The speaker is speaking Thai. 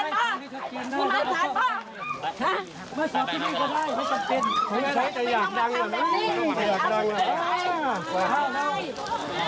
มีไม้สานมาเลย